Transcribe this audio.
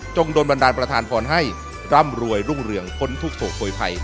โดนบันดาลประธานพรให้ร่ำรวยรุ่งเรืองพ้นทุกโศกโวยภัย